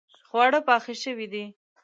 خواړه پاخه شوې دي